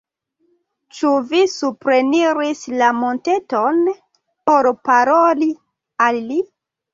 Ĉu vi supreniris la monteton por paroli al li?